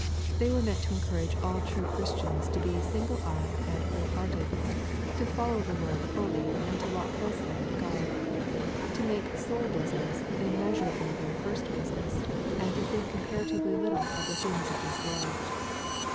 They were meant to encourage all true Christians to be single eyed and whole hearted, — to follow the Lord fully, and to walk closely with God, — to make soul business im measurably their first business, and to think compara tively little of the things of this world.